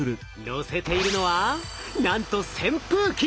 載せているのはなんと扇風機！